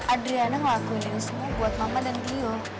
adriana ngelakuin ini semua buat mama dan beliau